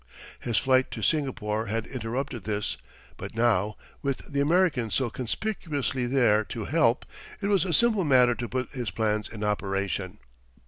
His flight to Singapore had interrupted this, but now, with the Americans so conspicuously there to "help," it was a simple matter to put his plans in operation.